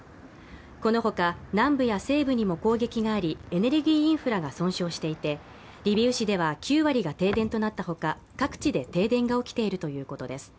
このほか、南部や西部にも攻撃がありエネルギーインフラが損傷していて、リビウ市では９割が停電となったほか、各地で停電が起きているということです。